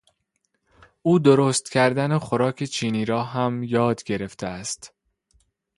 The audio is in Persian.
او درست کردن خوراک چینی را هم یاد گرفته است.